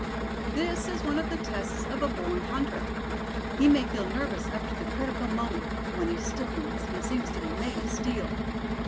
This is one of the tests of a born hunter. He may feel nervous up to the critical moment, when he stiffens, and seems to be made of steel.